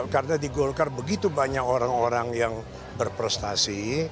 karena di golkar begitu banyak orang orang yang berprestasi